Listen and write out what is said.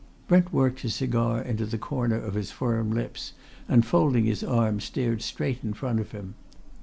Brent worked his cigar into the corner of his firm lips and folding his arms stared straight in front of him.